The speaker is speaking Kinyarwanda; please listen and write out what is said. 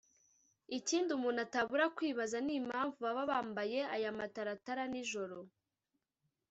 ikindi umuntu atabura kwibaza n’impamvu baba bambaye aya mataratara nijoro